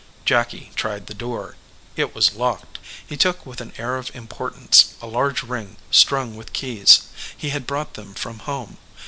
Jacky tried the door. It was locked. He took, with an air of importance, a large ring strung with keys. He had brought them from home.